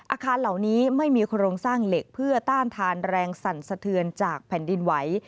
อาคารเหล่านี้ไม่มีโครงสร้างเหล็กเพื่อต้านทานแรงสั่นสะเทือนจากแผ่นดินไหว